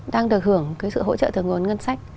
đang được hưởng cái sự hỗ trợ từ nguồn ngân sách